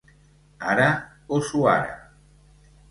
Ara o suara.